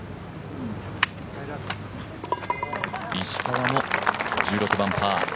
石川も１６番パー。